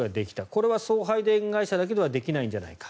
これは送配電会社だけではできないんじゃないか。